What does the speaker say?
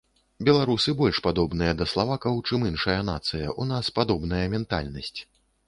Беларусы больш падобныя да славакаў, чым іншая нацыя, у нас падобная ментальнасць.